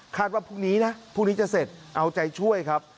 ว่าพรุ่งนี้นะพรุ่งนี้จะเสร็จเอาใจช่วยครับ